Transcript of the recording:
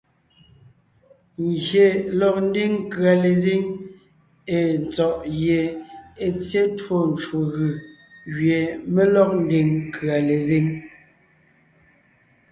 Ngyè lɔg ńdiŋ nkʉ̀a lezíŋ èe tsɔ̀ʼ gie è tsyé twó ncwò gʉ̀ gẅie mé lɔg ńdiŋ nkʉ̀a lezíŋ.